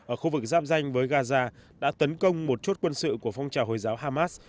ở khu vực giáp danh với gaza đã tấn công một chốt quân sự của phong trào hồi giáo hamas